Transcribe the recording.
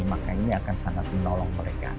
maka ini akan sangat menolong mereka